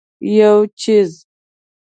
یو څیز